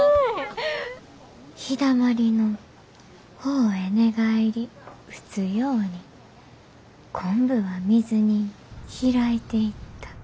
「陽だまりの方へ寝返り打つように昆布は水にひらいていった」。